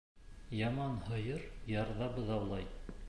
Яман һыйыр ярҙа быҙаулай.